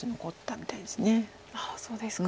そうですか。